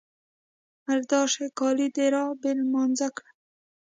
_مرداره شې! کالي دې را بې نمازه کړل.